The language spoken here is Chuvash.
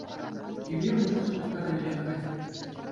Пире вырӑс тухтӑрӗ лекрӗ.